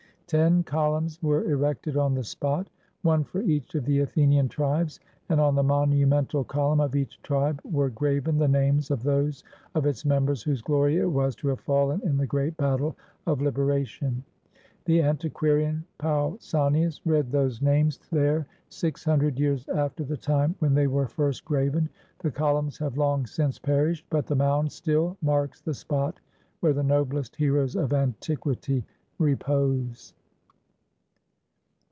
Ten col umns were erected on the spot, one for each of the Athenian tribes; and on the monumental column of each tribe were graven the names of those of its members whose glory it was to have fallen in the great battle of liberation. The antiquarian Pausanias read those THE BATTLE OF MARATHON names there six hundred years after the time when they were first graven. The columns have long since perished, but the mound still marks the spot where the noblest heroes of antiquity repose.